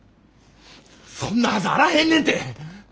そんなはずあらへんねんて！